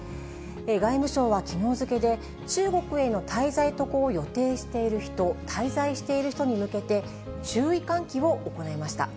外務省はきのう付けで、中国への滞在、渡航を予定している人、滞在している人に向けて、注意喚起を行いました。